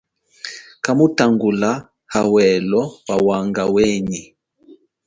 Kamutangula hawelo wawanga wenyi.